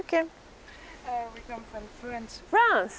フランス！